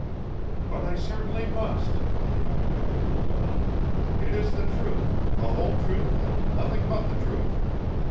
"But I certainly must," the young man reeled on. "It is the truth, the whole truth and nothing but the truth.